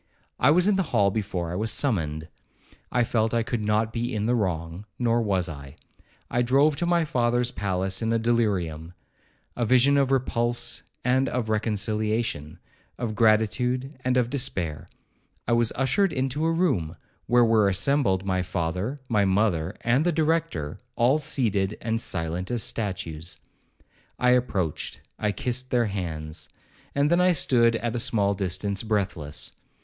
I was in the hall before I was summoned. I felt I could not be in the wrong, nor was I. I drove to my father's palace in a delirium,—a vision of repulse and of reconciliation, of gratitude and of despair. I was ushered into a room, where were assembled my father, my mother, and the Director, all seated, and silent as statues. I approached, I kissed their hands, and then stood at a small distance breathless.